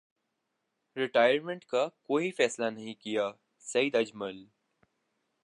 retire minute کا کوئی فیصلہ نہیں کیاسعید اجمل